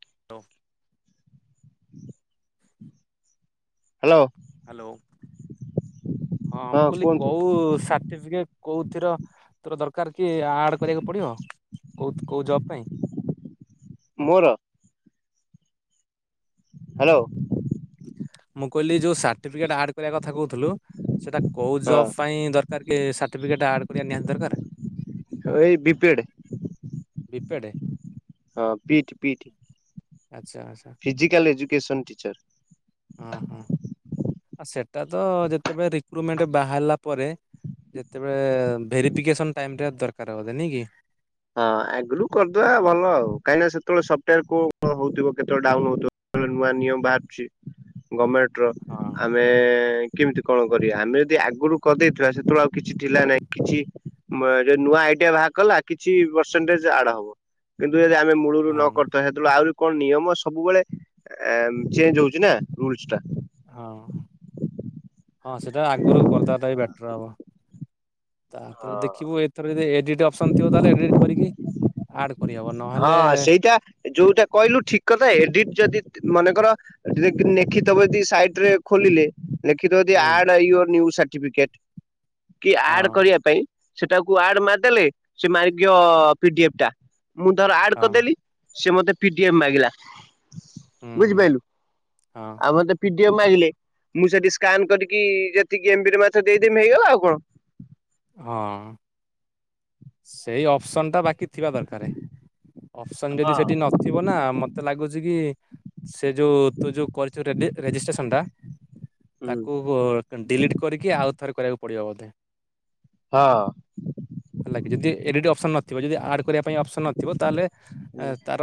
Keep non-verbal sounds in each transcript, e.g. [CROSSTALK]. [UNINTELLIGIBLE] Hello. Hello ହଁ ମୁଁ କହିଲି କଉ ସା [UNINTELLIGIBLE] କୋଉଥିର ତୋର ଦରକାର କି ଆଡ କରିବାକୁ ପଡିବ କୋଉ କୋଉ ଜବ୍ ପାଇଁ? ମୋର ହ୍ୟାଲୋ ମୁଁ କହିଲି ଯୋଉ ସାର୍ଟିଫିକେଟ ଆଡ କରିବା କଥା କହୁଥିଲୁ ସେଟା କୋଉ ଜବ ହଁ ପାଇଁ ଦର କାର ସାର୍ଟିଫିକଟ ଆଡ କରିଆ ନିହାତି ଦରକାର। ଏଇ ବିପେଡ ବି ପେଡ ହଁ ପି ଟି ପି ଟିି। ଆଚ୍ଛା ଆଚ୍ଛା ଟିଚର। ହଁ ହଁ। ଆ ସେଟା ତ ଯେତେବେଳେ ରିକ୍ରୁରଟମେଣ୍ଟ ବାହାରିଲା ପରେ ଯେତେବେଳେ ଭେରିଫିକେସନ ଟାଇମଟା ଦରକାର ହବ ନାଇ କି? ହଁ ଆଗରୁ କରିଦବା ଭଲ ଆଉ କାହିଁକି ନା ସେତେବେଳେ ସଫ୍ଟୱୋର କ କଣ ହଉଥିବ କେତେବେଳେ ଡାଉନ ହଉଥିବ [UNINTELLIGIBLE] ନୂଆ ନିୟମ ବାହାରୁଚି ଗମେଣ୍ଟ ର ହଁ ଆମେ କେମିତି କଣ କରିବା। ଆମେ ଯଦି ଆଗରୁ କରିଦେଇଥିବା ସେତେବେଳେ ଆଉ କିଛି ଥିଲା ନାଇଁ କିଛି ମା ରେ ନୂଆ ଆଇଡିଆ ବାହାର କଲା। କିଛି ପରସେଣ୍ଟେଜ ଆଡ୍ ହବ କିନ୍ତୁ ଯଦି ଆମେ ମୂଳରୁ ହଁ ନ କରିଥାଏ। ତେଣୁ ଆହୁଳି କଣ ନିୟମ ସବୁବେଳେ ଏ ଚେଞ୍ଜ ହୋଉଚିନା ରୁଲସ୍ ଟା। ହଁ ହଁ ସେଟା ଆଗରୁ କରିଦବାଟା ବି ବେଟର ହବ। ତାପରେ ହଁ ଦେଖିବୁ ଏଥର ଯଦି ଏଡିଟ୍ ଅପସନ ଥିବ ତାହେଲେ ଏଡିଟ୍ କରିକି ଆଡ କରିହବ। ନହେଲେ ହଁ ସେଇଟା ଯୋଉଟା କହିଲୁ ଠିକ୍ କଥା ଏଡିଟ ଯଦି ତି ମନେକର ରେ ନେଖିଥବ ଯିଏ ସାଇଟିରେ ଖୋଲିଲେ ଲେଖିଦବ ଯଦି ହୁଁ ଆଡ ୟୋର ନିଉ ସାର୍ଟିଫିକେଟ୍। କି ଆଡ ହଁ କରିବା ପାଇଁ ସେଟାକୁ ଆଡ ମାରିଦେଲେ ସେ ମାଗିବ ପିଡିଏଫଟା। ମୁଁ ତୋର ଆଡ୍ ହଁ କରିଦେଲି ସେ ମତେ ପିଡିଏଫ୍ ମାଗିଲା। ହୁଁ ହୁଁ ବୁଝିପାଇଲୁ ହଁ ଆଉ ମତେ ପିଡିଏଫ୍ ମାଗିଲେ ମୁଁ ସେଠି ସ୍କାନ କରିକି ଯେତିକି ଏମ୍ବି ନବା କଥା ଦେଇଦେ‌ମି ହେଇଗଲା ଆଉ କଣ। ହଁ ସେଇ ଅପସନ୍ ଟା ବାକି ଥିବା ଦରକାର। ଅପସନ୍ ଯଦି ହଁ ସେଟି ନ ଥିବ ନା ମତେ ଲାଗୁଚି କି ସେ ଯୋଉ ତୁ ଯୋଉ କରିଚୁ ରେଡି ରେଜିଷ୍ଟ୍ରେସନଟା ହୁଁ ତାକୁ ଡିଲିଟ୍ କରିକି ଆଉ ଥରେ କରିବାକୁ ପଡିବ ବୋଧେ। ହ। ହେଲାକି ଯଦି ଏଡିଟ୍ ଅପସନ୍ ନଥିବ ଯଦି ଆଡ୍ କରିବା ପାଇଁ ଅପସନ୍ ନଥିବ ତାହେଲେ ହୁଁ ତା ତ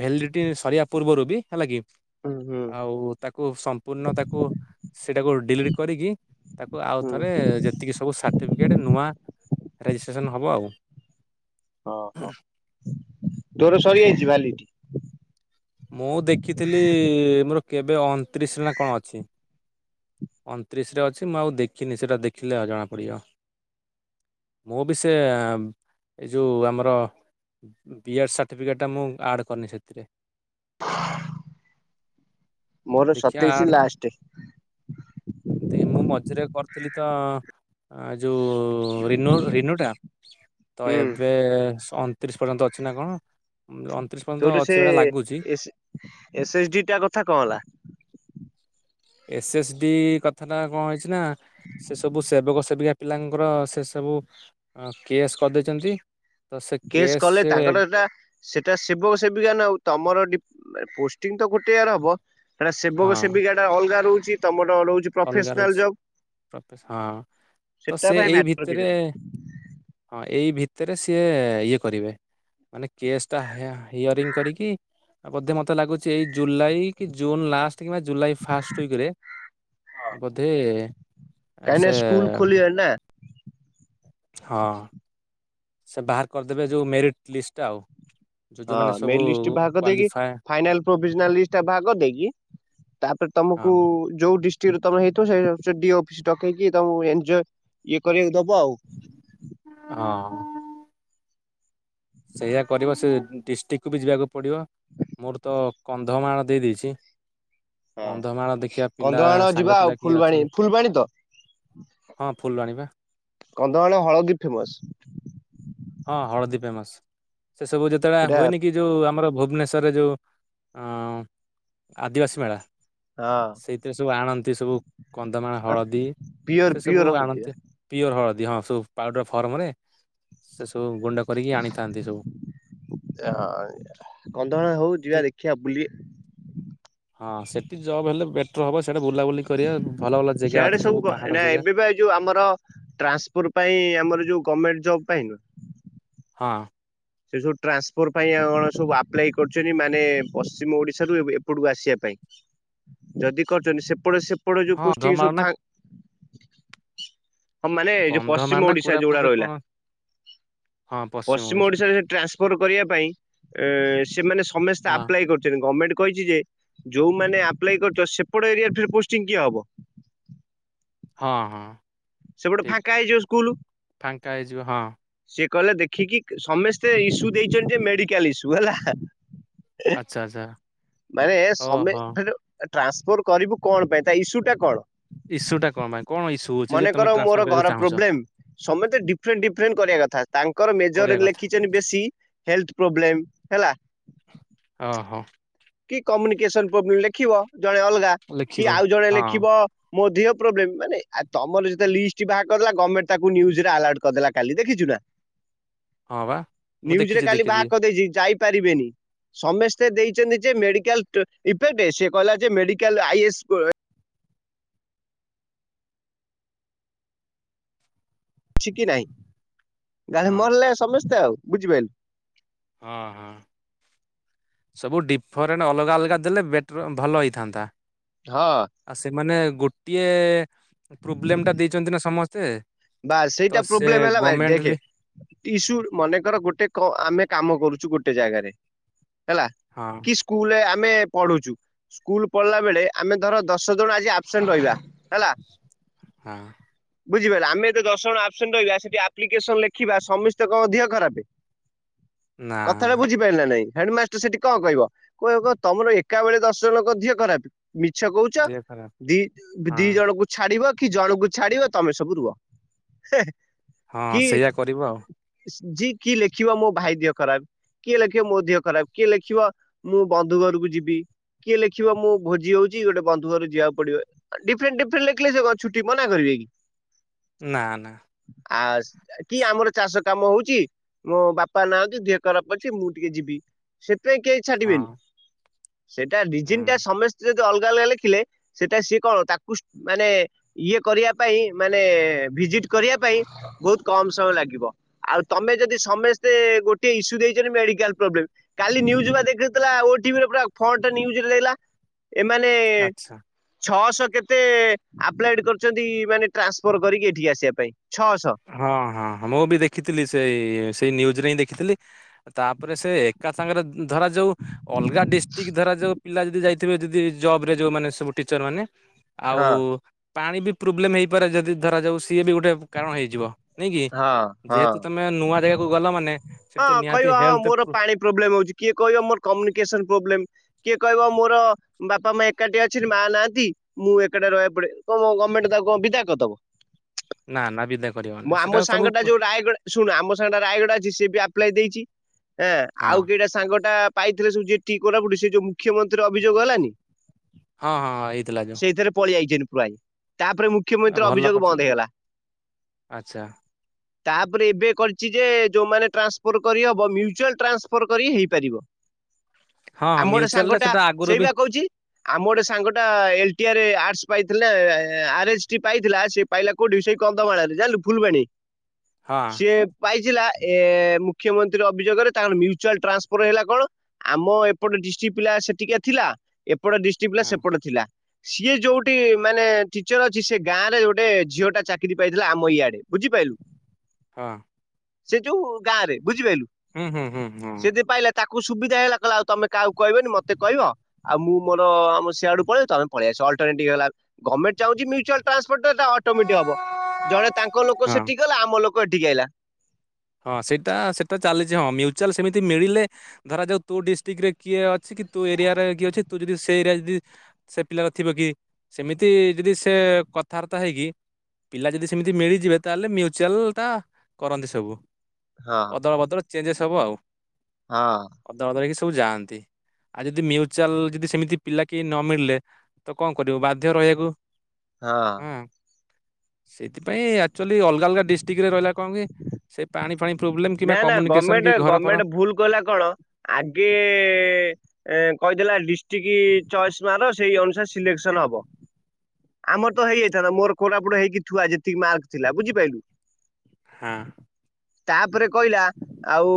ଭେଲିଡିଟି ସରିବା ପୂର୍ବରୁ ବି ହେଲା କି ହୁଁ ହୁଁ ଆଉ ତାକୁ ସମ୍ପୂର୍ଣ୍ଣ ତାକୁ ସେଟାକୁ ଡିଲିଟ୍ କରିକି ତାକୁ ଆଉ ହୁଁ ଥରେ ଯେତିକି ସବୁ ସା ର୍ଟିଫିକେଟ୍ ନୂଆ ରେଜିଷ୍ଟ୍ରେସନ ହବ ଆଉ। ଓହୋ ତୋର ସରିଯାଇଚି ଭାଲିଡିଟି? ମୁଁ ଦେଖିଥିଲି ମୋର କେବେ ଅଣତିରିଶ ନା କଣ ଅଛି। ଅଣତିରିଶରେ ଅଛି ମୁଁ ଆଉ ଦେଖିନି ସେଟା ଦେଖିଲେ ଜଣାପଡିବ। ମୁଁ ବି ସେ ଏ ଯୋଉ ଆମର ବିଏଡ୍ ସାର୍ଟିଫିକେଟ୍ ଟା ମୁଁ ଆଡ୍ କରିନି ସେଥିରେ। [INAUDIBLE] ମୋର ଦେଖିଆ ସତେଇଶି ଆଡ୍ ଦେ ମୁଁ ମଝିରେ କରିଥିଲି ତ ଆ ଯୋଉ ରିନୁ ରିନୁଟା ତ ହୁଁ। ଏବେ ସ‌ଁ ଅଣତିରିଶ ପର୍ଯ୍ୟନ୍ତ ଅ ଛି ନା କଣ ଅଣତିରିଶ ପର୍ଯ୍ୟନ୍ତ ଅଛି ଭଳିଆ ଲାଗୁଚି। ଏସି ଏସ୍ ଏସ୍ ଡି ଟା କଥା କଣ ହେଲା। ଏସ୍ ଏସ୍ ଡି କଥାଟା କଣ ହେଇଚି ନା ସେ ସବୁ ସେବକ ସେବିକା ପିଲାଙ୍କର ସେ ସବୁ କେୱାଇସି କରିଦେଇଚନ୍ତି। କେସେ କଲେ ତାଙ୍କର ଏଟା ସେଟା ସେବକ ସେବିକା ନା ଆଉ ତମର ଡିପ୍ ପୋଷ୍ଟିଙ୍ଗ ତ ଗୋଟେ ଜାଗାରେ ହବ। ହେରା ହଁ ସେବକ ସେବିକା ଟା ଅଲଗା ରହୁଚି। ତମଡ ରହୁଚି‌ ଅଲଗାର ଅଛି ହଁ ତ ସେଟା ସେ ପାଇଁ ଏଇ ମ୍ୟାଟର କିଛି ଭିତରେ ନାହିଁ। ହଁ ଏଇ ଭିତରେ ସିଏ ଇଏ କରିବେ। ମାନେ କେୱାଇସିଟା ହାୟା-ହାୟରିଂ କରିକି ଆଉ ବୋଧେ ମତେ ଲାଗୁଚି ଏଇ ଜୁଲାଇ କି ଜୁନ ଲାଷ୍ଟ କିମ୍ବା ଜୁଲାଇ ଫାଷ୍ଟ ଉଇକିରେ ଆ ବୋଧେ ଆ ସେ କାହିଁକିନା ସ୍କୁଲ ଖୋଲିଲାଣି ନା ହଁ। ସେ ବାହାର କରିଦେବେ ଯୋଉ ମେରିଟ୍ ଲିଷ୍ଟଟା ଆଉ। ଯୋଉ ହଁ ଯୋଉମାନେ ସବୁ ମେରିଟ୍ ଲିଷ୍ଟ ଭାହାର କରି ଦେଇକି କ୍ୱାଲିଫାଏ ଫାଇନାଲ୍ ପ୍ରୋଭିଜିନାଲ୍ ଲିଷ୍ଟଟା ବା‌ହାର କରିଦେଇକି। ତାପରେ ତମକୁ ହଁ ଯୋଉ ଡି ଷ୍ଟ୍ରିଡ୍ ତମର ହେଇଥିବ ସେ ସେ ଡିଓ ଅଫିସ୍ ଷ୍ଟକ୍ ହେଇକି ତାକୁ ଏଞ୍ଜୟ ଇଏ କରିବାକୁ ଦବ ଆଉ। ହଁ। ସେଇୟା କରିବ ସେ ଡିଷ୍ଟ୍ରିକ କୁ ବି ଯିବାକୁ ପଡିବ। ମୋରୋ ତ କନ୍ଧମାଳ ଦେଇ ଦେଇଛି। ହଁ କନ୍ଧମାଳ ଦେଖିଆ ପିଲା କନ୍ଧମାଳ ଯିବା ସାଙ୍ଗ ଆଉ ପିଲା କିଏ ଫୁଲବାଣୀ ଅଛନ୍ତି। ଫୁଲବାଣୀ ତ ହଁ ଫୁଲବାଣୀ ପା। କନ୍ଧମାଳ ହଳଦୀ ଫେମସ୍। ହଁ ହଳଦୀ ଫେମସ୍ ସେ ସବୁ ଯେତୋବୋଳା ପୁରା ହୁଏନି କି ଯୋଉ ଆମର ଭୁବନେଶ୍ୱରରେ ଯୋଉ ଅଁ ଆଦିବାସୀ ମେଳା ସେଇଥିରେ ସବୁ ଆଣନ୍ତି ସବୁ କନ୍ଧମାଳ ହଁ ହଳଦୀ ପିଓର ସେ ସବୁ ପିଓର ହଳଦିଆ ଆଣନ୍ତି। ପିଓର ହଳଦୀ ହଁ ସବୁ ପାଉଟର ଫର୍ମରେ ସେ ସବୁ ଗୁଣ୍ଡ କରିକି ଆଣିଥାନ୍ତି ସବୁ। [UNINTELLIGIBLE] କନ୍ଧମାଳରେ ହୋଉ ଯିବା ଦେଖିବା ବୁଲି ହଁ ସେଠି ଜବ୍ ହେଲେ ବେଟର ହବ ସ୍ୟାଡେ ବୁଲାବୁଲି କରିବା ଭଲ ଭଲ ଜେଗା ସିଆଡେ ଅଛି ସବୁ କ ପାହାଡ଼ ଜେଗା। ଏବେ ବା ଏଇ ଯୋଉ ଆମର ଟ୍ରାନ୍ସପୋର୍ ପାଇଁ ଆମର ଯୋଉ ଗମେଣ୍ଟ ଜବ ପାଇଁ ହଁ। ସେ ସବୁ ଟ୍ରାନ୍ସପୋର ପାଇଁ ଆଉ କଣ ସବୁ ଆପ୍ଲାଇ କରୁଚନ୍ତି ମାନେ ପଶ୍ଚିମ ଓଡିଶାରୁ [UNINTELLIGIBLE] ଏପଟକୁ ଆସିବା ପାଇଁ। ଯଦି କରୁଚନ୍ତି ସେପଟ ସେପଟ ଯୋଉ ହଁ ପୁଷ୍ଟିଙ୍ଗି ସବୁ କନ୍ଧମାଳ ନା ଫା ହଁ ମାନେ ଏଇ ଯୋଉ କନ୍ଧମାଳ ପଶ୍ଚିମ ନା ଓଡିଶା ଯୋଉଗୁଡା କୋରାପୁଟରେ ରହିଲା କଣ ହଁ ପଶ୍ଚିମ ଓଡିଶା ଓଡିଶ [UNINTELLIGIBLE] ଟ୍ରାନ୍ସଫୋର କରିବା ପାଇଁ ଏଁ ସେମାନେ ସମେସ୍ତେ ହଁ ଆପ୍ଲାଏ କରୁଚନ୍ତି ଗମେଣ୍ଟ କହିଚି ଯେ ଯୋଉମାନେ ଆପ୍ଲାଇ କରୁଚ ସେପଟ ଏରିଆରେ ଫିର୍ ପୋଷ୍ଟୀଙ୍ଗି କିଏ ହବ। ହଁ ହଁ ସେପଟେ ଠିକ୍ ଫାଙ୍କା ଠି ହେଇଯିବ ସ୍କୁଲ। ଫାଙ୍କା ହେଇଯିବ ହଁ। ସିଏ କହିଲା ଦେଖିକି ସମସ୍ତେ ଇସୁ ଦେଇଚନ୍ତି ଯେ ମେଡିକାଲ୍ ଇସୁ ହେଲା। ଆଚ୍ଛା ଆଚ୍ଛା ମାନେ ଓହୋ [UNINTELLIGIBLE] ଟ୍ରାନ୍ସଫୋର୍ କରିବୁ କଣ ପାଇଁ ତା ଇସୁ ଟା କଣ। ଇସୁ ଟା କଁ ପାଇଁ କଣ ଇସ୍ ମନେ କର ମୋରୋ ଘର ପ୍ରୋବ୍ଲେମ। ସମତେ ଡିଫ୍ରେଣ୍ଟ ଡିଫ୍ରେଣ୍ଟ କରିବା କଥା ତାଙ୍କର ମେଜର କରିବା ରେ କଥା ଲେଖିଚନ୍ତି ବେଶୀ ହେଲ୍ଥ ପ୍ରୋବ୍ଲେମ୍ ହେଲା। [UNINTELLIGIBLE] ହଁ। କି କମ୍ୟୁନିକେସନ୍ [UNINTELLIGIBLE] ଲେଖିବ ଜଣେ ଅଲଗା କି ଲେଖିବ ଆଉ ଜଣେ ହଁ ଲେଖିବ ମୋ ଦିହ ପ୍ରୋବ୍ଲେମ୍ ମାନେ ଆ ତମର [UNINTELLIGIBLE] ଲିଷ୍ଟ ବାହାର କରିଦେଲା ଗମେଟେ ତାକୁ ନିୟୁଜରେ ଆଲାଉଟ୍ କରିଦେଲା କାଲି ଦେଖିଛୁ ନା। [INAUDIBLE] ହଁ ବା ମୁଁ ନିୟୁଜରେ ଦେଖିଛି କାଲି ଦେଖିଛି ବାହାର କରିଦେଇଚିଟ ଯାଇପାରିବେନି ସମେସ୍ତେ ଦେଇ ଚେନ୍ତି ଯେ ମେଡିକାଲ୍ ଇଫେକ୍ଟ ସିଏ କହିଲା ଯେ ମେଡିକାଲ ଆଇ ଏସ୍ [UNINTELLIGIBLE] [UNINTELLIGIBLE] ହଁ ମଲେ ସମେସ୍ତେ ଆଉ ବୁଝିପାଇଲୁ। ହଁ ହଁ। ସବୁ ଡିଫରେଣ୍ଟ୍ ଅଲଗା ଅଲଗା ଦେଲେ ବେଟର୍ ଭଲ ହେଇଥାନ୍ତା। ହଁ। ଆଉ ସେମାନେ ଗୋଟିଏ ପ୍ରୋବ୍ଲେମ ଟା ଦେଇଚନ୍ତି ନା ସମସ୍ତେ। ବାସ୍ ତ ସେଇଟା ସେ ପ୍ରୋବ୍ଲେମ ହେଲା ଭାଇ ଗଭର୍ଣମେଣ୍ଟ ଦେଖେ ବି [UNINTELLIGIBLE] ମନେକର ଗୋଟେ କ ଆମେ କାମ କରୁଚୁ ଗୋଟେ ଜାଗାରେ ହେଲା। ହଁ। କି ସ୍କୁଲରେ ଆମେ ପଢୁଛୁ ସ୍କୁଲ ପଢିଲା ବେଳେ ଆମେ ଧର ଦଶ ଜଣ ଆଜି ଆବସେଣ୍ଟ ରହିବା। ହେଲା ହଁ ବୁଝିପାଇଲ ଆମେ [UNINTELLIGIBLE] ଦଶ ଜଣ ଆବସେଣ୍ଟ ରହିବା ସେଠି ଆପ୍ଲିକେସନ୍ ଲେଖିବା ସମିସ୍ତେ କଁ ଦିହ ଖରାପେ। ନା କଥାଟା ନା ବୁଝି [UNINTELLIGIBLE] ହେଡମାଷ୍ଟର ସେଠି କଁ କହିବ କହିବ କଁ ତମର ଏକା ବୋଳେ ଦଶ ଜଣଙ୍କ ଦିହ ଖରାପ ମିଛ କୋହୁଚ ଦେହ ଖରାପ ଦି ହଁ ଦି ଜଣଙ୍କୁ ଛାଡିବ କି ଜଣଙ୍କୁ ଛାଡିବ ତମେ ସବୁ ରୁହ। [UNINTELLIGIBLE] ହଁ କି ସେଇଆ କରିବ ଆଉ। [UNINTELLIGIBLE] ଲେଖିବ ମୋ ଭାଇ ଦିହ ଖରାପ। କିଏ ଲେଖିବ ମୋ ଦିହ ଖରାପ କିଏ ଲେଖିବ ମୁଁ ବନ୍ଧୁ ଘରୁକୁ ଯିବି। କିଏ ଲେଖିବ ମୁଁ ଭୋଜି ହଉଚି ଗୋଟେ ବନ୍ଧୁ ଘରୁକୁ ଯିଆକୁ ପଡିବ। ଆ ଡିଫରେଣ୍ଟ୍ ଡିଫରେଣ୍ଟ୍ ଲେଖିଲେ ସିଏ କଁ ଛୁଟି ମନା କରିବେ କି। ନା ନା। ଆଉ ସ୍ ଏ କି ଆମର ଚାଷ କାମ ହଉଚି ମୋ ବାପା ନାହାନ୍ତି ଦେହ ଖରାପ ଅଛି ମୁଁ ଟିକେ ଯିବି। ସେଥିପାଇଁ କେଇ ହଁ ଛାଡିବେନି ସେଟା ହୁଁ ରିଜିନଟା ସମେସ୍ତେ ଯ ଦି ଅଲଗା ଅଲଗା ଲେଖିଲେ ସେଟା ସିଏ କଣ ତାକୁ ସ୍ ମାନେ ଇଏ କରିବା ପାଇଁ ମାନେ ଭିଜିଟ୍ କରିବା ପାଇଁ ବୋହୁତ କମ୍ ସମୟ ଲାଗିବ। ଆଉ ତମେ ଯଦି ସମେସ୍ତେ ଗୋଟିଏ ଇସ୍ୟୁ ଦେଇଚନ୍ତି ମେଡିକାଲ ପ୍ରୋବ୍ଲେମ୍। କାଲି ନ୍ୟୁଜୁ ବା ଦେଖଉଥେଲା ଓ ଟିଭିରେ ପୁରା ଫଣ୍ଟ୍ ନ୍ୟୁଜୁରେ ଦେଲା ଏମାନେ ଆଚ୍ଛା ଛଅଶ କେତେ ଆପଲାଏଡ୍ କରିଚନ୍ତି ମାନେ ଟ୍ରାନ୍ସଫର୍ କରିକି ଏ ଠିକି ଆସିବା ପାଇଁ ଛଅଶ। ହଁ ହଁ ହଁ ମୁଁ ବି ଦେଖିଥିଲି ସେଇ ସେଇ ନ୍ୟୁଜରେ ହିଁ ଦେଖିଥିଲି। ଆରେ ତାପରେ ସେ ଏକା ସାଙ୍ଗେରେ ଉଁ ଧରା ଯାଉ ଅଲଗା ଡିଷ୍ଟିକି ଧରା ଯୋଉ ପିଲା ଯଦି ଯାଇଥିବେ ଯଦି ଜବରେ ଯୋଉମାନେ ସବୁ ଟିଚରମାନେ ଆଉ ହଁ ପାଣି ବି ପ୍ରୋବ୍ଲେମ୍ ହେଇପାରେ ଯଦି ଧରାଯାଉ ସିଏ ବି ଗୋଟେ ବୁ କାରଣ ହେଇଯିବ ନାଇଁ କି ହଁ ହଁ। ଯେହେତୁ ତମ୍ ମେ ନୂଆ ଜାଗାକୁ ଗଲ ମାନେ ସେଠି ତ ହଁ ନିହାତି କହିବ ହଁ ହେଲ୍ଥ ମୋର ପ୍ରୋ ପାଣି ପ୍ରୋବ୍ଲେମ୍ ହଉଚି କିଏ କହିବ ମୋର କମ୍ୟୁନିକେସନ୍ ପ୍ରୋବ୍ଲେମ୍। କିଏ କହିବ ମୋର ବାପା ମା ଏକାଟିଆ ଅଛନ୍ତି ମା ନାଆନ୍ତି। ମୁଁ ଏକାଟିଆ ରହିଆକୁ ପଡେ କଁ ମ ଗମେଣ୍ଟେ ତାକୁ କଁ ବିଦା କରିଦବ। ନା ନା ବିଦା ମୁଁ କରିବନି ସେଟା ଆମ ସବୁ ସାଙ୍ଗଟା ଯୋଉ ରାୟଗଡା ଶୁଣୁ ଆମ ସାଙ୍ଗଟା ରାୟଗଡ ଅଛି ସିଏ ବି ଆପ୍ଲାଏ ଦେଇଚି ହେଁ ହଁ ଆଉ କେଇଟା ସାଙ୍ଗଟା ପାଇଥିଲେ ସବୁ ଯେ ଟି କୋରାପୁଟୁ ସିଏ ଯୋଉ ମୁ ଖ୍ୟମନ୍ତ୍ରୀ ଅଭିଯୋଗ ହେଲାନି ହଁ ହଁ ହେଇଥିଲା ଯୋଉ ସେଇଥେରେ ପଳି ଆଇଚନ୍ତିି ପ୍ରାୟେ। ତାପରେ ଆ ମୁଖ୍ୟମନ୍ତ୍ରୀ ଭଲ ଅଭିଯୋଗ ବନ୍ଦ କରିଛନ୍ତି। ହେଇଗଲା। ଆଚ୍ଛା ତାପରେ ଏବେ କରିଛି ଯେ ଯୋଉମାନେ ଟ୍ରାନ୍ସଫର୍ କରି ହବ ମ୍ୟୁଚୁଆଲ୍ ଟ୍ରାନ୍ସଫର୍ କରିକି ହେଇପାରିବ। ହଁ ଆମ ଗୋଟେ ମ୍ୟୁଚୁଆଲ ରେ ସାଙ୍ଗଟା ସେଟା ଆଗରୁ ସେଇ ବି ବା କହୁଚି ଆମ ଗୋଟେ ସାଙ୍ଗଟା ଏଲ୍ ଟି ଆର୍ ଆର୍ଟସ୍ ପାଇଥିଲା ଆର୍ ଏଚ୍ ଟି ପାଇଥିଲା ସିଏ ପାଇଲା କୋଉଠି ସେଇ କନ୍ଧମାଳରେ ଜାଣିଲୁ ଫୁଲବାଣୀ ହଁ ସିଏ ପାଇଚିଲା ଏ ଏ ମୁଖ୍ୟମନ୍ତ୍ରୀ ଅଭିଯୋଗରେ ତାଙ୍କର ମ୍ୟୁଚୁଆଲ୍ ଟ୍ରାନ୍ସଫର୍ ହେଲା କଣ ଆମ ଏପଟ ଡିଷ୍ଟିକି ପିଲା ସେଠିକା ଥିଲା ଏପଟ ଡିଷ୍ଟିକି ପିଲା ହଁ ସେପଟେ ଥିଲା। ସିଏ ଯୋଉଟି ମାନେ ଟିଚର୍ ଅଛି ସେ ଗାଁରେ ଗୋଟେ ଝିଅଟା ଚାକିରି ପାଇଥିଲା ଆମ ଇଆଡେ ବୁଝିପାଇଲୁ। ହଁ। ସେ ଯୋଉ ଗାଁରେ ବୁଝିପାଇଲୁ ହୁଁ ହୁଁ ହୁଁ ହୁଁ। ସିଏ ଦି ପାଇଲା ତାକୁ ସୁବିଧା ହେଇଗଲା କହିଲା ଆଉ ତମେ କାହାକୁ କହିବନି ମତେ କହିବ ଆଉ ମୁଁ ମୋର ଆମ ସିଆଡୁ ପଳେଇବି ତମେ ପଳେଇ ଆସ ଅଲଟରନେଟିଭ୍ ହେଇଗଲା ଗମେଣ୍ଟ୍ ଚାହୁଁଛି ମ୍ୟୁଚୁଆଲ୍ ଟ୍ରାନ୍ସପୋର୍ଟଟା ଅଟୋମେଟିକ୍ ହବ ଜଣେ ତାଙ୍କ ଲୋକ ହଁ ସେଠିକି ଗଲା ଆମ ଲୋକ ଏଠିକି ଆଇଲା। ହଁ ସେଇଟା ସେଟା ଚାଲିଚି ହଁ ମ୍ୟୁ ଚୁଆଲ୍ ସେମିତି ମିଳିଲେ ଧରା ଯାଉ ତୋ ଡିଷ୍ଟିକରେ କିଏ ଅଛି କି ତୋ ଏରିଆରେ କିଏ ଅଛି ତୁ ଯଦି ସେଇ ଏରିଆ ଯଦି ସେ ପିଲାର ଥିବ କିଏ ସେମିତି ଯଦି ସେ କଥାବାର୍ତ୍ତା ହେଇକି ପିଲା ଯଦି ସେମିତି ମିଳିଯିବେ ତାହେଲେ ମ୍ୟୁଚୁଆଲଟା କରନ୍ତି ସବୁ। ହଁ ଅଦଳ ବଦଳ ଚେଞ୍ଜେସ୍ ହବ ଆଉ ହଁ ଅଦଳ ବଦଳ ହେଇକି ସବୁ ଯାଆନ୍ତି। ଆଉ ଯଦି ମ୍ୟୁଚୁଆଲ୍ ଯଦି ସେମିତି ପିଲା କିଏ ନ ମିଳିଲେ ତ କଁ କରିବୁ ବାଧ୍ୟ ରହିଆକୁ। ହଁ ସେଇଥିପାଇଁ ଆକ୍ଚୁଆଲି ଅଲଗା ଅଲଗା ଡିଷ୍ଟିକିରେ ରହିଲା କଣ କି ସେଇ ପାଣି ଫାଣି ପ୍ରୋବ୍ଲେମ୍। ନା ନା ଗମେଣ୍ଟେ ଗମେଣ୍ଟେ ଭୁଲ୍ କଲା କଣ ଆଗେ ଏ କହିଥେଲା ଡିଷ୍ଟିକି ଚଏସ୍ ମାର ସେଇ ଅନୁସାରେ ସିଲେକ୍ସନ ହବ। ଆମର ତ ହେଇଯାଇଥାନ୍ତା ମୋର କୋଟାପୁଟରେ ହେଇକି ଥୁଆ ଯେତିକି ମାର୍କ ଥିଲା ବୁଝିପାଇଲୁ। ହଁ। ତାପରେ କଇଲା ଆଉ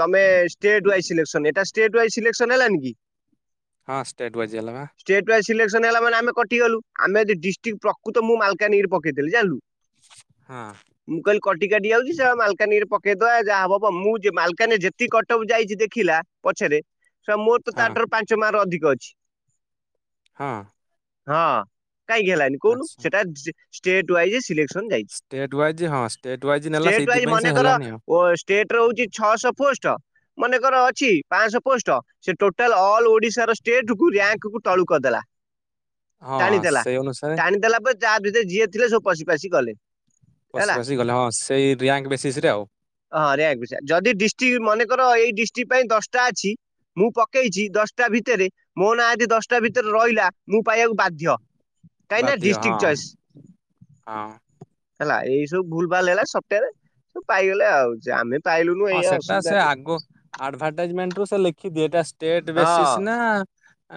ତୋମେ ଷ୍ଟେଟ୍ ୱାଇ ସିଲେକ୍ସନ୍ ଏଟା ଷ୍ଟେଟ ୱାଇ ସିଲେକ୍ସନ୍ ହେଲାନି କି। ହଁ ଷ୍ଟେଟ୍ ୱାଇଜ୍ ହେଲାନା। ଷ୍ଟେଟ୍ ୱାଇ ସିଲେକ୍ସନ୍ ହେଲା ମାନେ ଆମେ କଟିଗଲୂ। ଆମେ ଯଦି ଡିଷ୍ଟିକ୍ ପ୍ରକୃତ ମୁଁ ମାଲକାନଗିରି ପକେଇଥିଲି ଜାଣିଲୁ। ହଁ। ମୁଁ କହିଲି କଟିକାଟି ଯାଉଚି ସେ ଆଉ ମାଲକାନାଗିରି ପ କେ କୟା ଯାହା ହବ ହବ ମୁଁ ଯେ ମାଲକାନରେ ଯେତିକି କଟଅପ୍ ଯାଇଚି ଦେଖିଲା ପଛରେ, ସେ ମୋର ତ ହଁ ତାଠାରୁ ପାଞ୍ଚ ମାର୍କ ଅଧିକ ଅଛି। ହଁ। ହଁ କାହିଁକି ହେଲାନି କୋହୁନୁ? ଆଚ୍ଛା। ସେଟା state wise selection state wise ହଁ ଷ୍ଟେଟ୍ ୱାଇଜ୍ ନେଲା ଷ୍ଟେଟ ୱାଇଜ ସେଇଥିପାଇଁ ସେ ମନେକର ହେଲାନି ଆଉ। ଓ ଷ୍ଟେଟ୍ ରଉଚି ଛଅଶହ ପୋଷ୍ଟ, ମନେକର ଅଛି ପାଁଶହ ପୋଷ୍ଟ। ସେ ଟୋଟାଲ ଅଲ୍ ଓଡିଶାର ଷ୍ଟେଟ୍ କୁ ରେଙ୍କ କୁ ତଳୁକୁ କରିଦେଲା। ହଁ ଟାଣିଦେଲା ସେଇ ଅନୁସାରେ ଟାଣି ଦେେଲା ପରେ ତା ଭିତରେ ଯିଏ ଥିଲେ ସବୁ ପଶି ପାଶି ଗଲେ। ପଶି ହେଲା। ପଶି ଗଲେ ହଁ ସେଇ ରିଆଙ୍କ ବେସିସ୍ ରେ ଆଉ। ହଁ ରେଙ୍କ ବି ସେ ଯଦି ଡିଷ୍ଟିକ୍ ମନେକର ଏଇ ଡିଷ୍ଟିକ୍ ପାଇଁ ଦଶଟା ଅଛି ମୁଁ ପକେଇଛି ଦଶଟା ଭିତରେ ମୋ ନାଁ ଯଦି ଦଶଟା ଭିତରେ ରହିଲା ମୁଁ ପାଇବାକୁ ବାଧ୍ୟ। କାଇନା ବାଧ୍ୟ ଡିଷ୍ଟିକ୍ ହଁ। ଚଏସ୍। ହଁ ହେଲା ଏଇ ସବୁ ଭୁଲ ଭାଲ ହେଲା ସପ୍ଟଆରେ ସବୁ ପାଇଗଲେ ଆଉ, ଯେ ଆମେ ପାଇଲୁନୁ ଏଇଆ ଅସୁବିଧା ଟି। ଆଡ଼ଭାଟାଇଜମେଣ୍ଟରୁୁ ସେ ଲେଖି ଦିଏ ଏଟା ଷ୍ଟେଟ୍ ବେସିସ୍ ହଁ। ନା,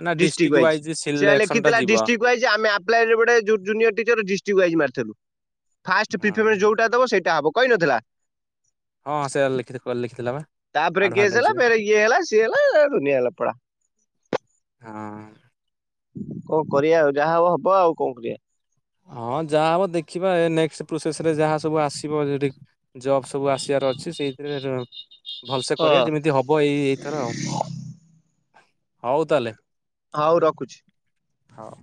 ନା ଡିଷ୍ଟିକ୍ ୱାଇଜ୍ ସିଲେକ୍ସନ ଟା ଯିବ। ୱାଇଜି ଆମେ ଆପ୍ଲାଏ ରେ ଗୋଟେ ଯୋଉ ଜୁନିଅର୍ ଟିଚର୍ ଡିଷ୍ଟିକ୍ ୱାଇଜ୍ ମାରିଥିଲୁ। ଫାଷ୍ଟ ପ୍ରିଫିୟମ୍ ରେ ହଁ ଯୋଉଟା ଦବ ସେଇଟା ହବ କହିନଥିଲା? ହଁଁ ସେୟା ଲେଖିଥି ଓ ଲେଖିଥିଲା ବା। ତାପରେ କେସ୍ ହେଲା ଆଡଭାଟାଇଜରେ ଫେରେ ଇଏ ହେଲା ସିଏ ହେଲା ଦୁନିଆ ଲଫଡା। ହଁ ହୁଁ,। କଣ କରିବା ଆଉ, ଯାହା ହବ ହବ ଆଉ କଣ କରିବା। ହଁ ଯାହା ହବ ଦେଖିବା ଏ ନେକ୍ସଟ୍ ପ୍ରୋସେସ୍ ରେ ଯାହା ସବୁ ଆସିବ ଯଦି ଜବ୍ ସବୁ ଆସିବାର ଅଛି ସେଇଥିରେ ର ଭଲସେ କରିବା ହଁ ଯେମିତି ହବ ଏଇ ଏଇଥର ଆଉ, ହଉ ତାହେଲେ ହଉ ରଖୁଛି। ହଉ।